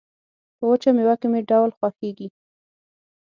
په وچه مېوه کې مې ډول خوښيږي